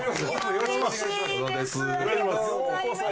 よろしくお願いします。